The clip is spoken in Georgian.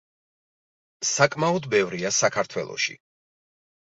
საკმაოდ ბევრია საქართველოში.